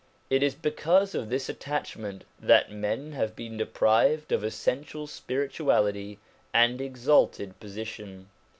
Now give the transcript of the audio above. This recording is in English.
It is because of this attachment that men have been de prived of essential spirituality and exalted position.